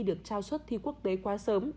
được trao xuất thi quốc tế quá sớm